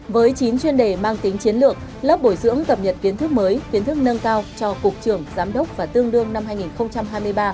với chín chuyên đề mang tính chiến lược lớp bồi dưỡng cập nhật kiến thức mới kiến thức nâng cao cho cục trưởng giám đốc và tương đương năm hai nghìn hai mươi ba